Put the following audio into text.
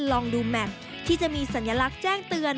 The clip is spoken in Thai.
ลองดูแมพที่จะมีสัญลักษณ์แจ้งเตือน